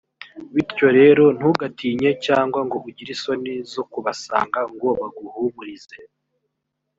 bityo rero ntugatinye cyangwa ngo ugire isoni zo kubasanga ngo baguhumurize .